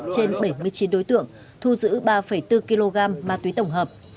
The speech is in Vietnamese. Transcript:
trên bảy mươi chín đối tượng thu giữ ba bốn kg ma túy tổng hợp